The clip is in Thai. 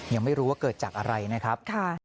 ยังไม่รู้ว่าเกิดจากอะไรนะครับ